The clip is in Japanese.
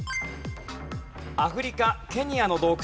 アフリカケニアの洞窟。